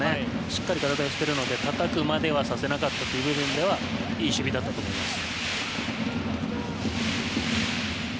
しっかり体を寄せているのでたたくまではさせなかったという部分でいい守備だったと思います。